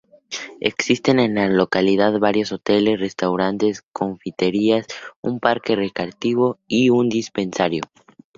Existen en la localidad varios hoteles, restaurantes, confiterías, un parque recreativo y un dispensario.